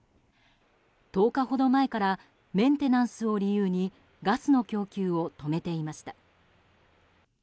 １０日ほど前からメンテナンスを理由にガスの供給を止めていました。